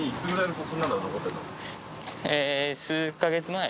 数カ月前。